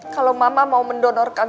kalau mama mau mendonorkan